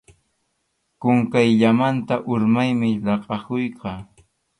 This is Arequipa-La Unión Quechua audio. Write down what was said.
Qunqayllamanta urmaymi laqʼakuyqa.